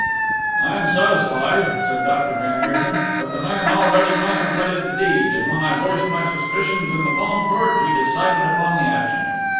"'I am satisfied,' said Dr. van Heerden, 'that the man already contemplated the deed, and when I voiced my suspicions in the palm court he decided upon the action.